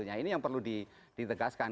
nah ini yang perlu ditegaskan